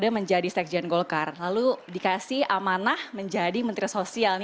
menjadi sekjen golkar lalu dikasih amanah menjadi menteri sosial